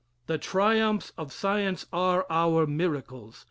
The triumphs of science are our miracles.